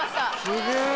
すげえ！